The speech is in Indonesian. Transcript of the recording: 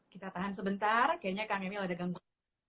kita tahan sebentar kayaknya kang emil ada gangguan